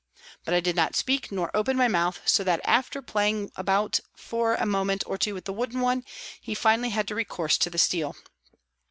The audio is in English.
But I did not speak nor open my mouth, so that after playing about for a moment or two with the wooden one he finally had recourse to the steel.